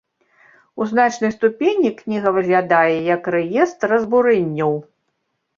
У значнай ступені кніга выглядае як рэестр разбурэнняў.